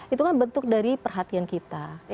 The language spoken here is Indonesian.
itu kan bentuk dari perhatian kita